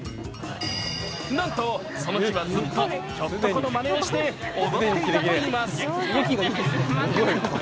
なんと、その日はずっとひょっとこのまねをして踊っていたといいます。